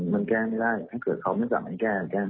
มันแก้ไม่ได้ถ้าเกิดเขาไม่สั่งให้แก้แก้